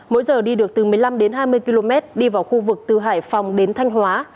mỗi giờ đi được từ một mươi năm đến hai mươi km đi vào khu vực từ hải phòng đến thanh hóa